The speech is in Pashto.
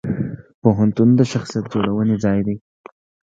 پوهنتون د شخصیت جوړونې ځای دی.